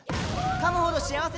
かむほど幸せ食感！